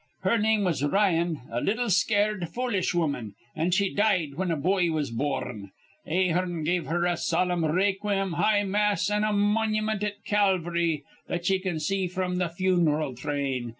Her name was Ryan, a little, scared, foolish woman; an' she died whin a boy was bor rn. Ahearn give her a solemn rayqueem high mass an' a monument at Calv'ry that ye can see fr'm th' fun'ral thrain.